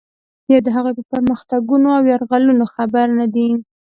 یا د هغوی په پرمختګونو او یرغلونو خبر نه دی.